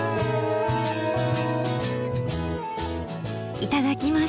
いただきます。